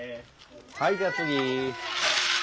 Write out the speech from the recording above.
はいじゃあ次。